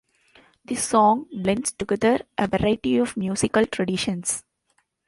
The song blends together a variety of musical traditions.